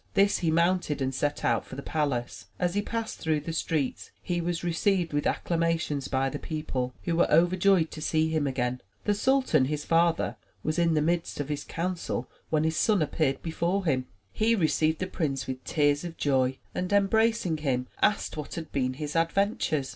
This he mounted and set out for the palace. As he passed through the streets he was received with acclamations by the people, who were overjoyed to see him again. The sultan his father was in the midst of his council when his son appeared before him. He 47 MY BOOK HOUSE received the prince with tears of joy and, embracing him, asked what had been his adventures.